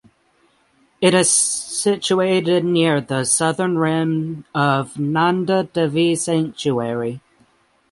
It is situated near the southern rim of Nanda Devi Sanctuary.